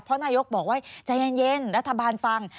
เพราะนายกบอกว่าใจเย็นรัฐบาลฟัง